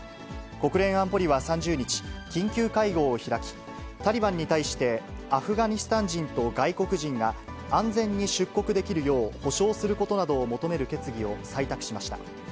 国連安保理は３０日、緊急会合を開き、タリバンに対して、アフガニスタン人と外国人が安全に出国できるよう保証することなどを求める決議を採択しました。